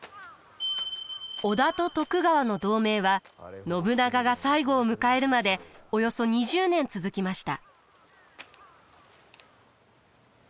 織田と徳川の同盟は信長が最期を迎えるまでおよそ２０年続きました。